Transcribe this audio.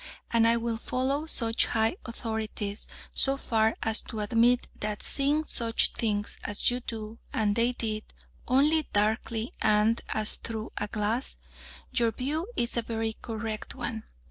And I will follow such high authorities so far as to admit that seeing such things as you do and they did, only "darkly and as through a glass," your view is a very correct one.